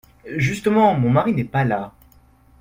Justement, mon mari n’est pas là.